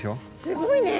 すごいね。